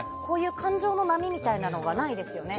感情の波みたいなのがないですよね。